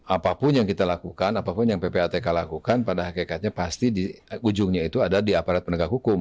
apapun yang kita lakukan apapun yang ppatk lakukan pada hakikatnya pasti di ujungnya itu ada di aparat penegak hukum